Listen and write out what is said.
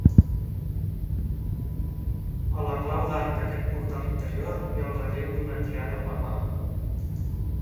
A la clau d'arc d'aquest portal interior hi ha el relleu d'una tiara papal.